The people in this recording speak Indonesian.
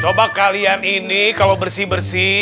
coba kalian ini kalau bersih bersih